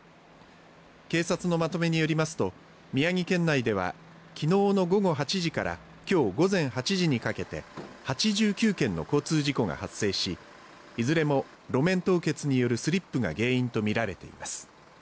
警察のまとめによりますと宮城県内では昨日の午後８時から今日午前８時にかけて８９件の交通事故が発生しいずれも路面凍結によるスリップが原因とみられています。